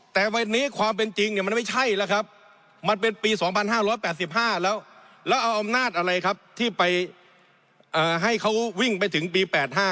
แล้วเอาอำนาจอะไรครับที่ไปให้เขาวิ่งไปถึงปี๑๙๘๕